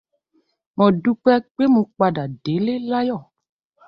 Mo dúpẹ́ pé mo padà délé láyọ̀.